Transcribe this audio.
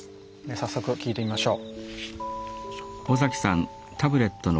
早速、聞いてみましょう。